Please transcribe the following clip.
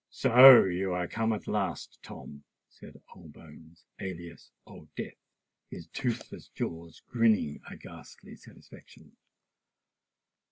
"So you are come at last, Tom," said Bones, alias Old Death, his toothless jaws grinning a ghastly satisfaction.